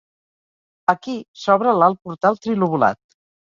Aquí s'obre l'alt portal trilobulat.